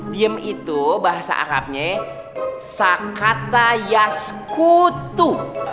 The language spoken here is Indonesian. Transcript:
diem itu bahasa arabnya sakata yaskutu